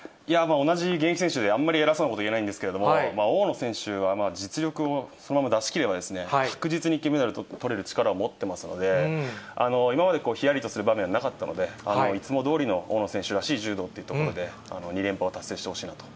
同じ現役選手で、あんまり偉そうなことは言えないんですけれども、大野選手は実力をそのまま出しきれば確実に金メダルとれる力を持ってますので、今までひやりとする場面なかったので、いつもどおりの大野選手らしい柔道というところで、２連覇を達成